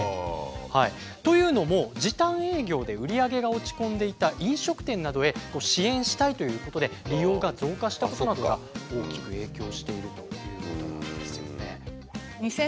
というのも時短営業で売り上げが落ち込んでいた飲食店などへ支援したいということで利用が増加したことなどが大きく影響しているということなんですよね。